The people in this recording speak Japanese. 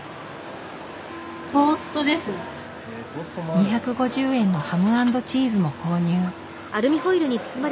２５０円のハム＆チーズも購入。